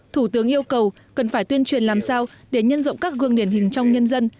thủ tướng yêu cầu cần phải tuyên truyền làm sao để nhân rộng các gương điển hình trong nhân dân